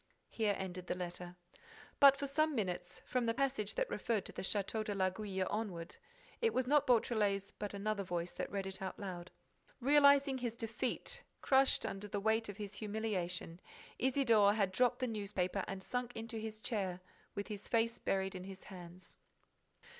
Here ended the letter. But, for some minutes, from the passage that referred to the Château de l'Aiguille onward, it was not Beautrelet's but another voice that read it aloud. Realizing his defeat, crushed under the weight of his humiliation, Isidore had dropped the newspaper and sunk into his chair, with his face buried in his hands.